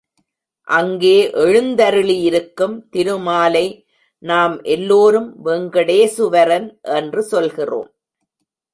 அங்கே எழுந்தருளியிருக்கும் திரு மாலை நாம் எல்லோரும் வேங்கடேசுவரன் என்று சொல்கிறோம்.